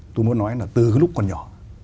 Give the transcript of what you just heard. tôi muốn nói là từ cái lúc còn nhỏ